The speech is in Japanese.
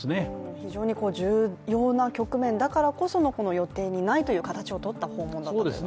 非常に重要な局面だからこその予定にないという形をとった訪問だったんですね。